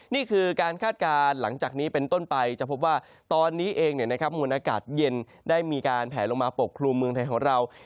นี่คือการคาดการณ์หลังจากนี้เป็นต้นไปจะพบว่าตอนนี้เองมูลอากาศเย็นได้มีการแผลลงมาปกครุมเมืองไทยของเรา